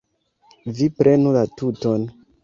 Vi prenu la tuton.